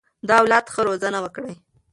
د اولاد ښه روزنه وکړئ.